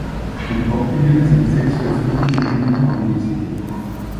In Hottingen sind sechs öffentliche Schulen angesiedelt.